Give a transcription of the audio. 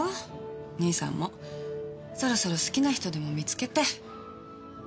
義兄さんもそろそろ好きな人でも見つけて。